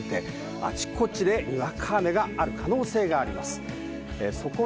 あちこちでにわか雨の可能性があります。